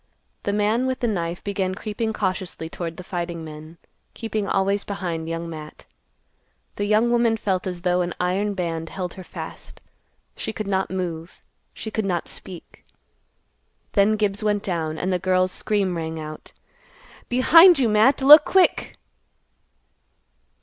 The man with the knife began creeping cautiously toward the fighting men, keeping always behind Young Matt. The young woman felt as though an iron band held her fast. She could not move. She could not speak. Then Gibbs went down, and the girl's scream rang out, _"Behind you, Matt! Look quick!"